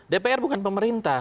dpr bukan pemerintah